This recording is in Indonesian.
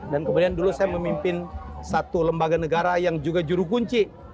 dan kemudian dulu saya memimpin satu lembaga negara yang juga juru kunci